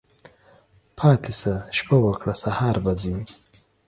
پاتی شه، شپه وکړه ، سهار به ځی.